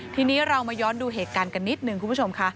ทีนี้เรามาย้อนดูเหตุการณ์กันนิดหนึ่งคุณผู้ชมค่ะ